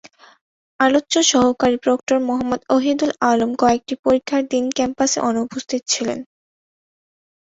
আলোচ্য সহকারী প্রক্টর মোহাম্মদ অহিদুল আলম কয়েকটি পরীক্ষার দিন ক্যাম্পাসে অনুপস্থিত ছিলেন।